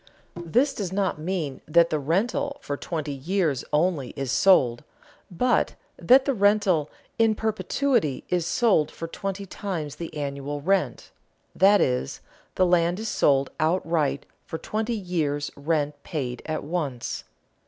This does not mean that the rental for twenty years only is sold, but that the rental in perpetuity is sold for twenty times the annual rent; that is, the land is sold outright for twenty years' rent paid at once.